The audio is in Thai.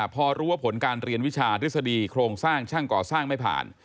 พอรู้ว่าผลการเรียนวิชาทฤษฎีโครงสร้างช่างก่อสร้างไม่ผ่าน